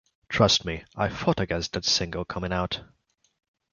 Trust me, I fought against that single coming out.